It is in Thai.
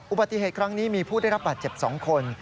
อุบัติเหตุครั้งนี้มีผู้ได้รับบาดเจ็บ๒คน